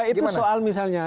itu soal misalnya